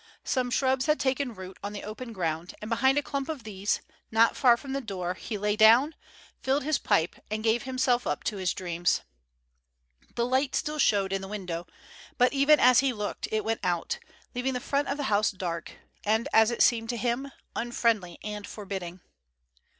Some shrubs had taken root on the open ground, and behind a clump of these, not far from the door, he lay down, filled his pipe, and gave himself up to his dreams. The light still showed in the window, but even as he looked it went out, leaving the front of the house dark and, as it seemed to him, unfriendly and forbidding.